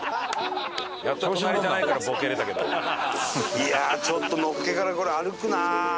いやあちょっとのっけからこれ歩くなあ。